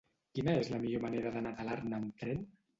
Quina és la millor manera d'anar a Talarn amb tren?